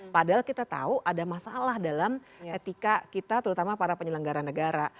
padahal kita tahu ada masalah dalam etika kita terutama para penyelenggara negara